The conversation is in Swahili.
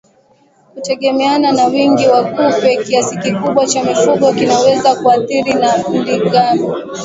Kutegemeana na wingi wa kupe kiasi kikubwa cha mifugo kinaweza kuathiriwa na ndigana